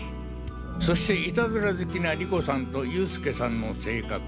そしてイタズラ好きな莉子さんと佑助さんの性格。